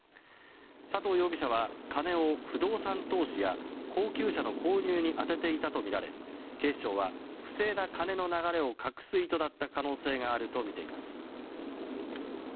佐藤容疑者は金を不動産投資や高級車の購入に充てていたとみられ警視庁は不正な金の流れを隠す意図だった可能性があるとみています。